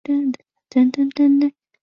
任内屡次为减轻民负上疏。